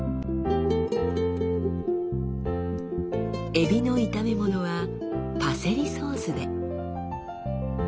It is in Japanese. エビの炒め物はパセリソースで。